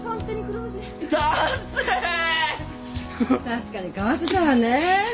確かに変わってたわねえ。